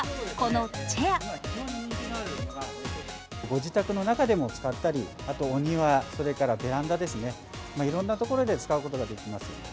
ご自宅の中でも使ったり、あとお庭、それからベランダですね、いろんな所で使うことができます。